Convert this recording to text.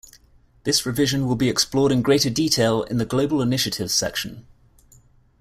This revision will be explored in greater detail in the "Global Initiatives" section.